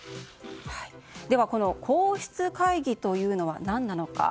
この皇室会議というのは何なのか。